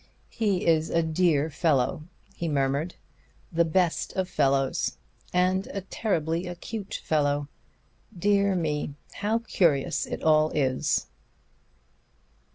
"He is a dear fellow," he murmured. "The best of fellows. And a terribly acute fellow. Dear me! How curious it all is!"